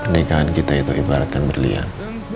pernikahan kita itu ibaratkan berlian